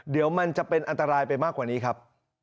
เดี๋ยวมันจะเป็นอันตรายไปมากกว่านี้ครับ